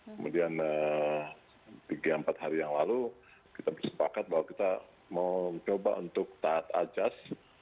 kemudian tiga empat hari yang lalu kita bersepakat bahwa kita mau coba untuk taat ajas